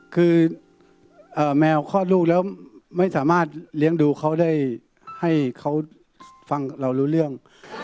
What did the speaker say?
คือแมวคลอดลูกแล้วไม่สามารถเลี้ยงดูเขาได้ให้เขาฟังเรารู้เรื่อง